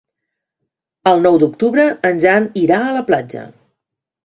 El nou d'octubre en Jan irà a la platja.